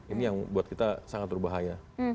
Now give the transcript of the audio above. ini yang buat kita sangat berbahaya